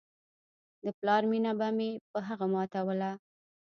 د پلار مينه به مې په هغه ماتوله.